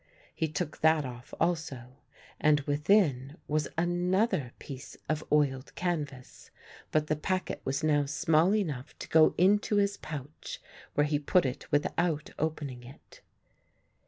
He took that off also and within was another piece of oiled canvas, but the packet was now small enough to go into his pouch, where he put it without opening it.